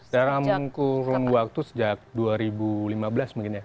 dalam kurun waktu sejak dua ribu lima belas mungkin ya